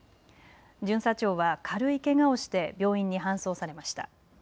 巡査長は軽いけがをして病院に搬送されました。